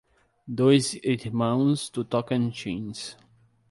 Dois Irmãos do Tocantins